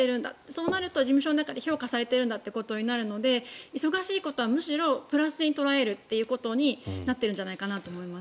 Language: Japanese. そうなると事務所の中で評価されてるんだということになるので忙しいことはむしろプラスに捉えるということになっているんじゃないかと。